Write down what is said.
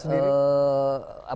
oh enggak juga